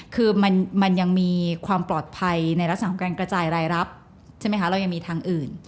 คือมันยังมีความปลอดภัยในลักษณะของการกระจายรายรับใช่ไหมคะเรายังมีทางอื่น